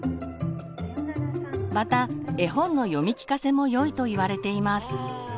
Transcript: また絵本の読み聞かせもよいといわれています。